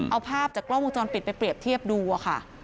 เอาภาพจากกล้องวงจรปิดไปเรียบเทียบดูค่ะ